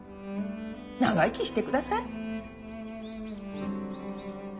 長生きしてください。